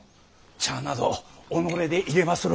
茶など己でいれまする。